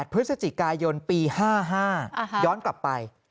พฤศจิกายนปี๕๕ย้อนกลับไป